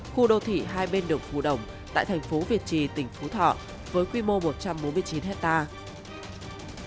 khu đô thị hai bên đường phù đồng tại thành phố việt trì tỉnh phú thọ với quy mô một trăm bốn mươi chín hectare